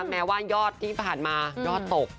แม้ว่ายอดที่ผ่านมายอดตก